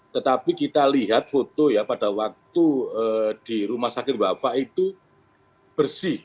tetapi kita lihat foto ya pada waktu di rumah sakit wafa itu bersih